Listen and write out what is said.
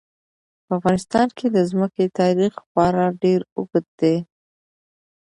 په افغانستان کې د ځمکه تاریخ خورا ډېر اوږد دی.